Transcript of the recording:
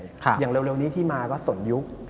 อย่างเร็วนี้ที่มาก็สนยุค